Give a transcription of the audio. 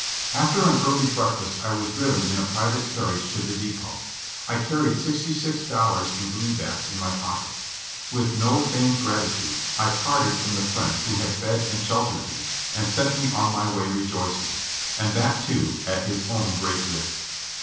After an early breakfast I was driven in a private carriage to the depot. I carried sixty six dollars in greenbacks in my pockets. With no feigned gratitude I parted from the friend who had fed and sheltered me and sent me on my way rejoicing, and that, too, at his own great risk.